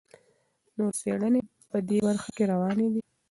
نورې څېړنې په دې برخه کې روانې دي.